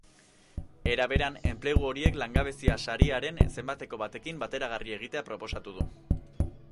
Era berean, enplegu horiek langabezia-sariaren zenbateko batekin bateragarri egitea proposatu du.